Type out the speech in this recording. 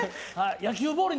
野球ボールに。